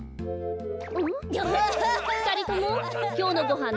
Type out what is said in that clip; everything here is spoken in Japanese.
ふたりともきょうのごはん